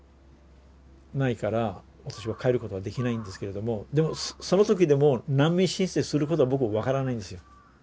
ないから私は帰ることができないんですけれどもでもその時でも難民申請することは僕分からないんですよ。